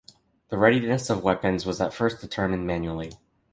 The readiness of weapons was at first determined manually.